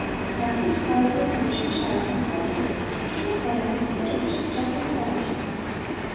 Matthew spied the approaching child and called to her: "Come here, Cornelli! It is just jumping around."